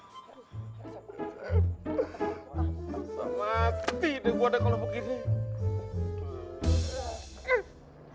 sama hati deh gue ada kalau begini